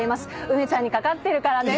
梅ちゃんに懸かってるからね